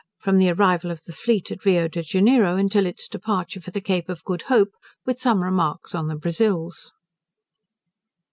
From the Arrival of the Fleet at Rio de Janeiro, till its Departure for the Cape of Good Hope; with some Remarks on the Brazils.